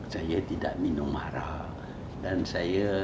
saya tidak minum secara marah